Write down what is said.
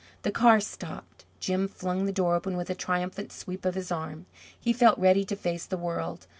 The car stopped. Jim flung the door open with a triumphant sweep of his arm. He felt ready to face the world.